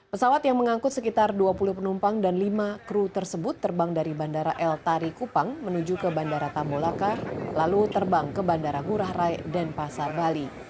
pesawat yang mengangkut sekitar dua puluh penumpang dan lima kru tersebut terbang dari bandara el tari kupang menuju ke bandara tambolakar lalu terbang ke bandara ngurah rai dan pasar bali